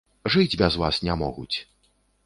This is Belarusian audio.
Жыць без вас не могуць.